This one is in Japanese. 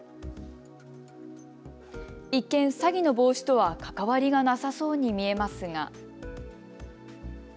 一見、詐欺の防止とは関わりがなさそうに見えますが。